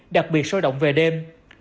đặc biệt sôi động về đêm